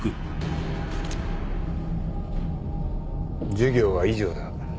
授業は以上だ。